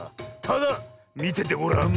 ただみててごらん。